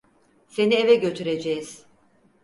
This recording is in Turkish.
Seni eve götüreceğiz.